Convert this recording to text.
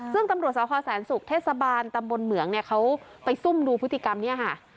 ซึ่งตำรวจสพแสนศุกร์เทศบาลตำบลเหมืองเนี่ยเขาไปซุ่มดูพฤติกรรมเนี่ยค่ะ